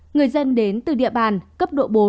người dân đến từ địa bàn cấp độ bốn